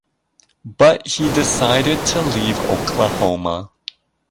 But he decided to leave Oklahoma.